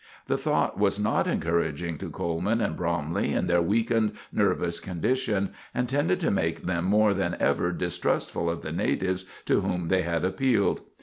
The thought was not encouraging to Coleman and Bromley in their weakened, nervous condition, and tended to make them more than ever distrustful of the natives to whom they had appealed.